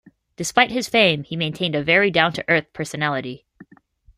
Despite his fame, he maintained a very down-to-Earth personality.